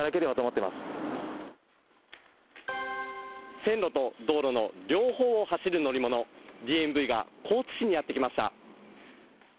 線路と道路の両方を走る乗り物、ＤＭＶが、高知市にやって来ました。